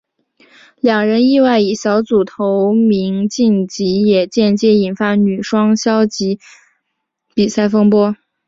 两人意外以小组头名晋级也间接引发女双消极比赛风波。